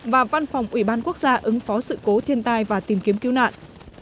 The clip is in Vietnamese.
và văn phòng ủy ban quốc gia ứng phó sự cố thiên tai và tìm kiếm cứu nạn